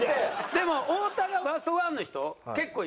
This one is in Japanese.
でも太田がワースト１の人結構いましたよ。